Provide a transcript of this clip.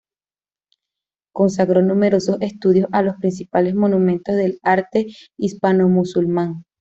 Consagró numerosos estudios a los principales monumentos del arte hispanomusulmán.